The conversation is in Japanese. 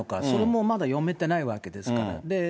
それもまだ読めてないわけですから。